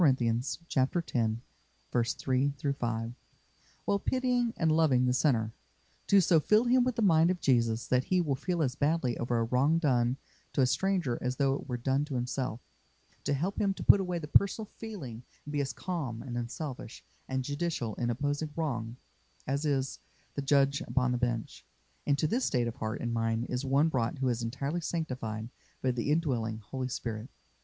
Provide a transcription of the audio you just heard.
x. 3 5), while pitying and loving the sinner; to so fill him with the mind of Jesus that he will feel as badly over a wrong done to a stranger as though it were done to himself; to help him to put away the personal feeling and be as calm and unselfish and judicial in opposing wrong as is the judge upon the bench. Into this state of heart and mind is one brought who is entirely sanctified by the indwelling Holy Spirit.